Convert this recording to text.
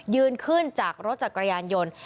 ยืนขึ้นจากรถจักรยานยนต์